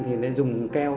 thì nó dùng keo